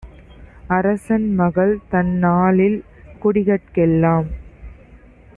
அரசன்மகள் தன்நாளில் குடிகட் கெல்லாம்